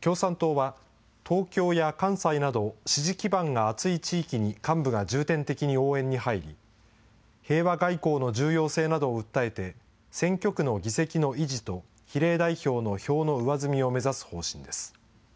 共産党は東京や関西など、支持基盤が厚い地域に幹部が重点的に応援に入り、平和外交の重要性などを訴えて、選挙区の議席の維持と、比例代表の票の上積みを目指す方針です。